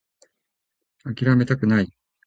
諦めたくない